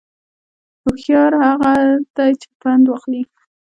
هوشیار هغه دی چې پند واخلي